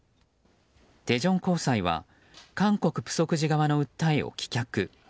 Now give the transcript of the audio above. テジョン高裁は韓国プソク寺側の訴えを棄却。